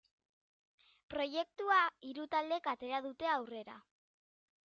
Proiektua hiru taldek atera dute aurrera.